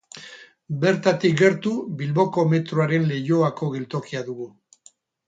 Bertatik gertu Bilboko metroaren Leioako geltokia dugu.